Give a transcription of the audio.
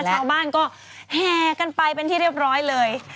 ชาวบ้านก็แห่กันไปเป็นที่เรียบร้อยเลย